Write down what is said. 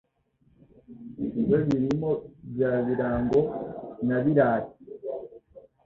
We Biramo bya Birago na Birari